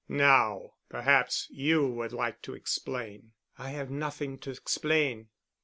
"Now, perhaps you would like to explain." "I have nothing to explain."